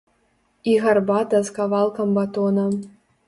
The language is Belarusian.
І гарбата з кавалкам батона.